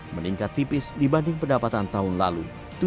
meningkat tipis dibanding pendapatan tahun lalu